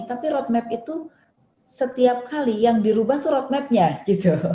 tapi roadmap itu setiap kali yang dirubah itu roadmapnya gitu